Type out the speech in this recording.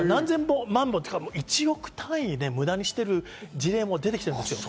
何千万本っていうか、１億単位むだにしている事例も出てきてるんです。